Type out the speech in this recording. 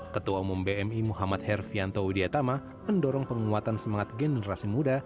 ketua umum bmi muhammad herfianto widiatama mendorong penguatan semangat generasi muda